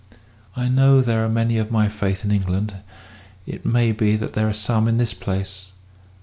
I know there are many of my faith in England; it may be that there are some in this place.